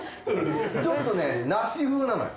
ちょっとね梨風なのよ。